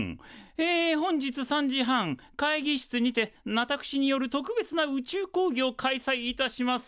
え本日３時半会議室にてわたくしによる特別な宇宙講義を開催いたします。